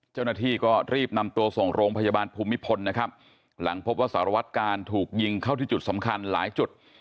เจ้าหน้าที่ก็รีบนำตัวส่งโรงพยาบาลภูมิพลนะครับหลังพบว่าสารวัตการถูกยิงเข้าที่จุดสำคัญหลายจุด